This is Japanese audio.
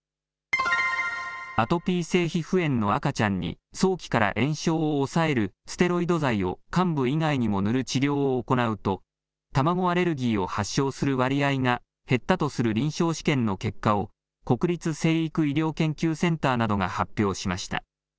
アトピー性皮膚炎の赤ちゃんに、早期から炎症を抑えるステロイド剤を患部以外にも塗る治療を行うと、卵アレルギーを発症する割合が減ったとする臨床試験の結果を国立成育医療研究センターなどが発表しました。